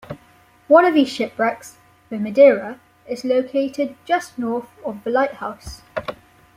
One of these shipwrecks, the "Madeira", is located just north of the lighthouse.